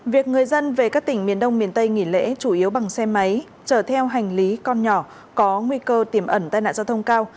việc người dân về các tỉnh miền đông miền tây nghỉ lễ chủ yếu bằng xe máy chở theo hành lý con nhỏ có nguy cơ tiềm ẩn tai nạn giao thông cao